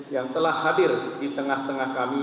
yang telah hadir di tengah tengah kami